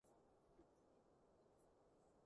豉椒炒蜆